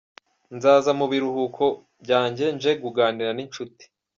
Nzaza mu biruhuko byanjye nje kuganira n’inshuti